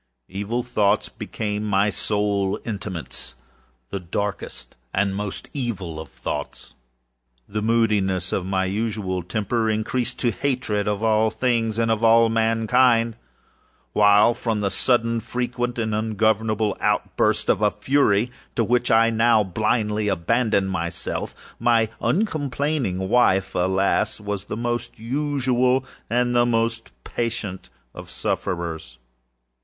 Evil thoughts became my sole intimatesâthe darkest and most evil of thoughts. The moodiness of my usual temper increased to hatred of all things and of all mankind; while, from the sudden, frequent, and ungovernable outbursts of a fury to which I now blindly abandoned myself, my uncomplaining wife, alas, was the most usual and the most patient of sufferers.